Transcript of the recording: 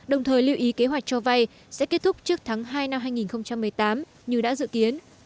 đồng thời lưu ý kế hoạch cho vay sẽ kết thúc trước tháng hai năm hai nghìn một mươi tám như đã dự kiến